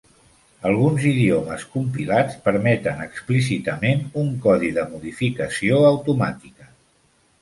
Alguns idiomes compilats permeten explícitament un codi de modificació automàtica.